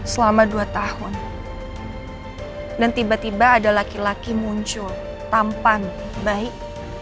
selama dua tahun dan tiba tiba ada laki laki muncul tampan baik